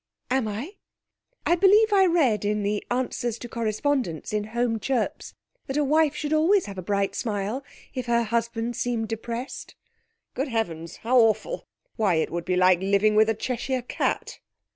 'Am I? I believe I read in the "Answers to Correspondents" in Home Chirps that a wife should always have a bright smile if her husband seemed depressed.' 'Good heavens! How awful! Why, it would be like living with a Cheshire cat!'